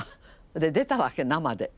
で出たわけ生で。